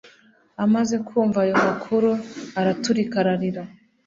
Amaze kumva ayo makuru, araturika ararira